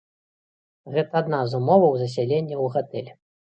Гэта адна з умоваў засялення ў гатэль.